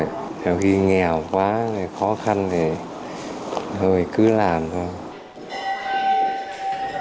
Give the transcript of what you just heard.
nếu khi nghèo quá khó khăn thì thôi cứ làm thôi